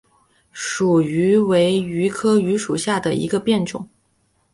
蜀榆为榆科榆属下的一个变种。